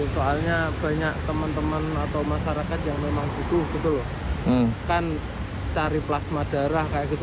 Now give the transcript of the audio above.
soalnya banyak teman teman atau masyarakat yang memang butuh gitu loh kan cari plasma darah kayak gitu